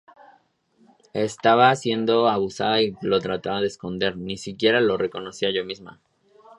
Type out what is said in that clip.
Estaba siendo abusada y lo trataba de esconder; ni siquiera lo reconocía yo misma.